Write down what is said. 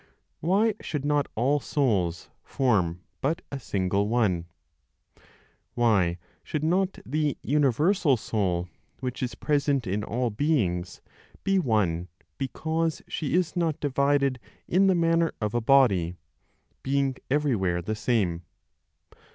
Why should not all souls form but a single one? Why should not the universal (Soul) which is present in all beings, be one because she is not divided in the manner of a body, being everywhere the same?